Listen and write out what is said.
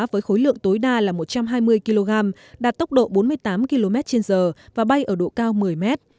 với khối lượng tối đa là một trăm hai mươi kg đạt tốc độ bốn mươi tám km trên giờ và bay ở độ cao một mươi mét